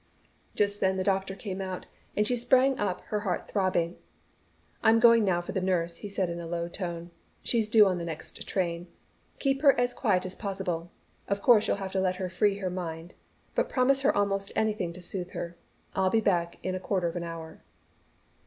Just then the doctor came out, and she sprang up, her heart throbbing. "I'm going now for the nurse," he said in a low tone. "She's due on the next train. Keep her as quiet as possible. Of course you'll have to let her free her mind, but promise her almost anything to soothe her. I'll be back in quarter of an hour."